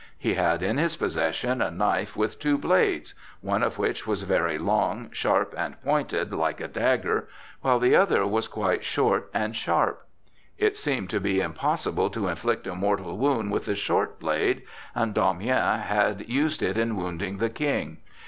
He had in his possession a knife with two blades, one of which was very long, sharp and pointed like a dagger, while the other was quite short and sharp. It seemed to be impossible to inflict a mortal wound with the short blade, and Damiens had used it in wounding the King.